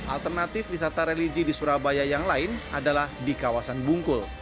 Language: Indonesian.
alternatif wisata religi di surabaya yang lain adalah di kawasan bungkul